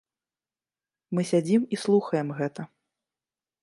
Мы сядзім і слухаем гэта.